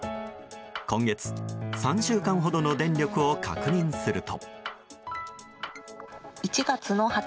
今月、３週間ほどの電力を確認すると。